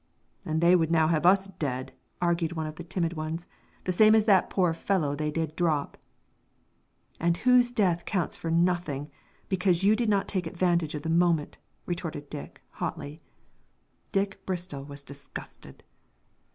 "And they would now have us dead," argued one of the timid ones, "the same as that poor fellow they did drop." "And whose death counts for nothing, because you did not take advantage of the moment," retorted Dick, hotly. Dick Bristol was disgusted.